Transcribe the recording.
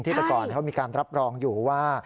ที่เมื่อก่อนเขามีการรับรองอยู่ว่า